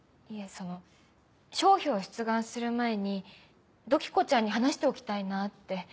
その商標を出願する前に土器子ちゃんに話しておきたいなって。